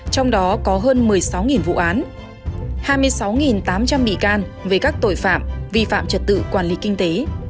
trong đó có hơn một mươi sáu vụ án hai mươi sáu tám trăm linh bị can về các tội phạm vi phạm trật tự quản lý kinh tế